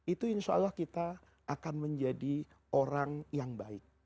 itu insya allah kita akan menjadi orang yang baik